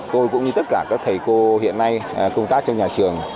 tôi cũng như tất cả các thầy cô hiện nay công tác trong nhà trường